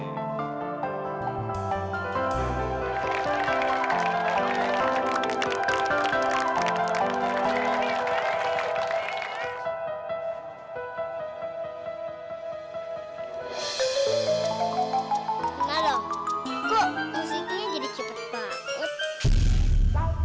renalo kok musiknya jadi cepet banget